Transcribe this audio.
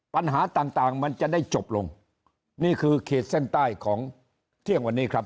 ปัญหาต่างต่างมันจะได้จบลงนี่คือขีดเส้นใต้ของเที่ยงวันนี้ครับ